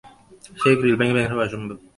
সেই গ্রিল ভেঙে বের হওয়া অসম্ভব।